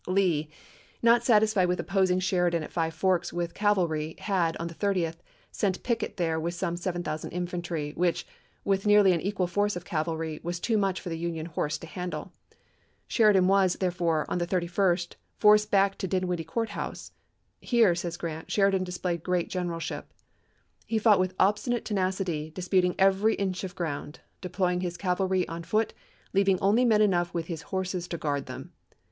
Lee, not satisfied with opposing Sheridan at Five Forks with cavalry, had, on the 30th, sent Pickett there with some 7000 infantry, which, with nearly an equal force of cavalry, was too much for the Union horse to handle. Sheridan was, therefore, on the 31st, forced back to Dinwiddie Court House. Report, " Here," says Grant, " Sheridan displayed great MelTs: generalship." He fought with obstinate tenacity, Vp!e2i:' disputing every inch of ground, deploying his cav alry on foot, leaving only men enough with his horses to guard them.